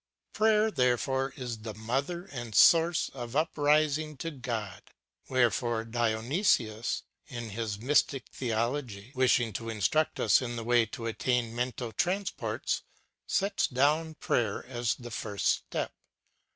Prayer, theretore, is the motlier and source of uprising to God. Wherefore Dionysius, in his "Mystic Theology," wishing to instruct us in the way to attain mental transports, sets down prayer as the first step.